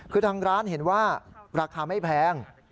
คือทางร้านเห็นว่าราคาไม่แพง